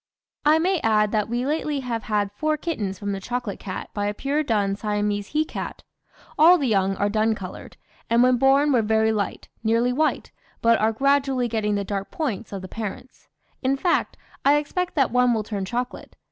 "I may add that we lately have had four kittens from the chocolate cat by a pure dun Siamese he cat. All the young are dun coloured, and when born were very light, nearly white, but are gradually getting the dark points of the parents; in fact, I expect that one will turn chocolate.